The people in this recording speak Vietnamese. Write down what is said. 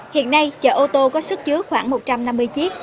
hiện nay chở ô tô có sức chứa khoảng một trăm năm mươi chiếc